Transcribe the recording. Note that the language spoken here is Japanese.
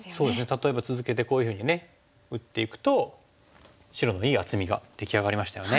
例えば続けてこういうふうにね打っていくと白のいい厚みが出来上がりましたよね。